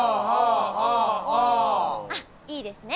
あっいいですね。